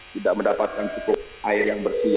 tidak mendapatkan cukup air yang bersih